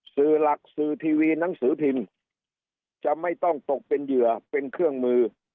สื่อหลักสื่อทีวีหนังสือพิมพ์จะไม่ต้องตกเป็นเหยื่อเป็นเครื่องมือ